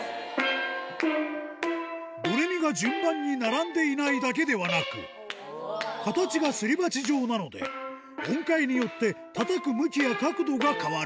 ドレミが順番に並んでいないだけでなく、形がすりばち状なので、音階によってたたく向きや角度が変わる。